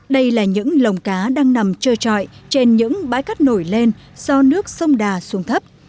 đây là những lồng cá đang nằm trơ trọi trên những bãi cát nổi lên do nước sông đà xuống thấp